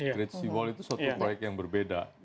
great si wall itu suatu proyek yang berbeda